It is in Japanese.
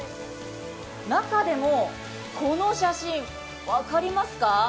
中でもこの写真、分かりますか？